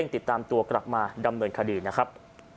ติดตามตัวกลับมาดำเนินคดีนะครับ